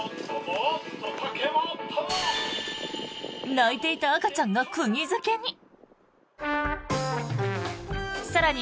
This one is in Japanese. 泣いていた赤ちゃんが釘付けに。